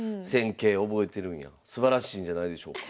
すばらしいんじゃないでしょうか。